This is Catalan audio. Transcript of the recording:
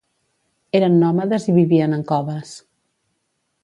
Eren nòmades i vivien en coves.